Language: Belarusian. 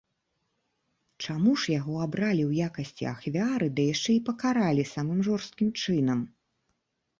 Чаму ж яго абралі ў якасці ахвяры ды яшчэ і пакаралі самым жорсткім чынам?